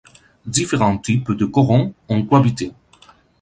Différents types de corons ont cohabité.